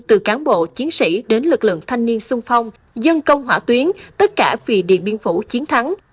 từ cán bộ chiến sĩ đến lực lượng thanh niên sung phong dân công hỏa tuyến tất cả vì điện biên phủ chiến thắng